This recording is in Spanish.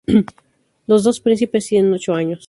Los dos príncipes tienen ocho años.